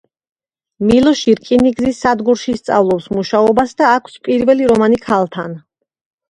მილოში რკინიგზის სადგურში სწავლობს მუშაობას და აქვს პირველი რომანი ქალთან.